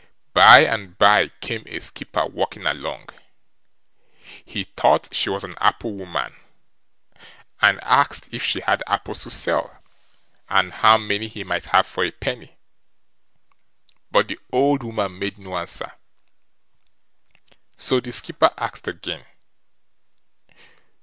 By and by came a skipper walking along; he thought she was an apple woman, and asked if she had apples to sell, and how many he might have for a penny. But the old woman made no answer. So the skipper asked again.